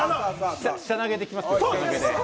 下投げでいきます。